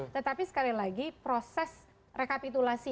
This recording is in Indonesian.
tetapi sekali lagi proses rekapitulasi